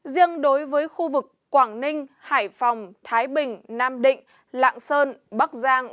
riêng đối với khu vực quảng ninh hải phòng thái bình nam định lạng sơn bắc giang